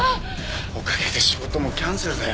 おかげで仕事もキャンセルだよ。